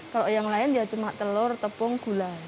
kalau yang lain ya cuma telur tepung gula